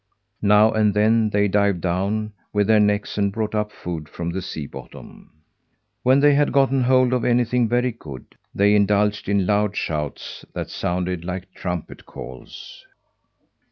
Now and then they dived down with their necks and brought up food from the sea bottom. When they had gotten hold of anything very good, they indulged in loud shouts that sounded like trumpet calls.